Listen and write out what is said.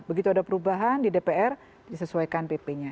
begitu ada perubahan di dpr disesuaikan pp nya